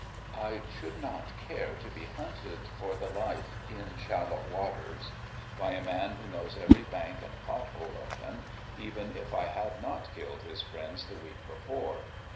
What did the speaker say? I should not care to be hunted for the life in shallow waters by a man who knows every bank and pot hole of them, even if I had not killed his friends the week before.